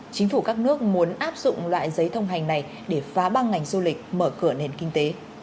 chính phủ các nước muốn áp dụng loại giấy thông hành này để phá băng ngành du lịch mở cửa nền kinh tế